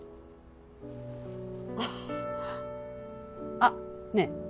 あっねえ